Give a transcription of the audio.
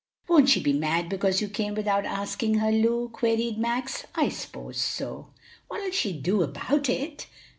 "Won't she be mad because you came without asking her, Lu?" queried Max. "I s'pose so." "What'll she do about it?"